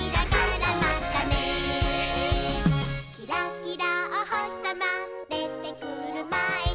「キラキラおほしさまでてくるまえに」